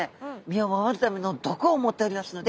身を守るための毒を持っておりますので。